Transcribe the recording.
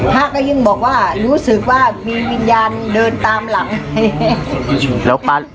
พระก็ยิ่งบอกว่ารู้สึกว่ามีวิญญาณเดินตามหลัง